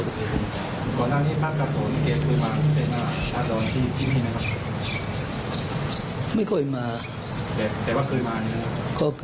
ก่อนด้านนี้พระกาโตะเคยเคยมาพรุ่งเศรษฐ์มาพระดรที่ที่นี่ไหมครับ